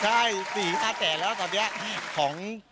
ใช่สี่ห้าแต่แล้วตอนนี้